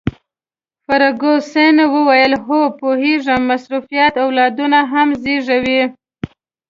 فرګوسن وویل: هو، پوهیږم، مصروفیت اولادونه هم زیږوي.